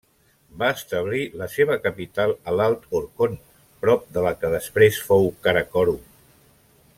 Va establir la seva capital a l'alt Orkhon prop de la que després fou Karakorum.